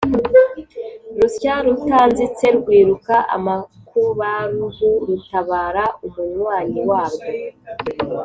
rusya rutanzitse rwiruka amakubaruhu rutabara umunywanyi warwo